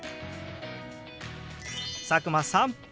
佐久間さん